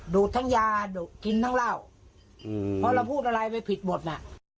ดูดทั้งยาดูดกินทั้งเหล้าเพราะเราพูดอะไรไปผิดหมดน่ะ